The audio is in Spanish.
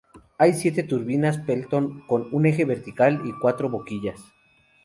Hay siete turbinas Pelton con un eje vertical y cuatro boquillas.